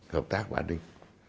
hợp tác và an ninh